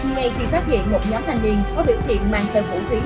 ngay khi phát hiện một nhóm thành niên có biểu hiện mang sợi hồn khí